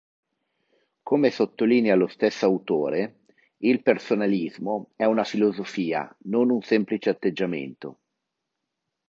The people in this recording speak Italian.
Come sottolinea lo stesso autore, "il personalismo, è una filosofia, non un semplice atteggiamento.